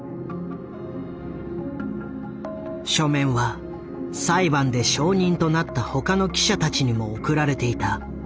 書面は裁判で証人となった他の記者たちにも送られていた。